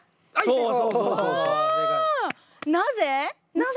なぜ？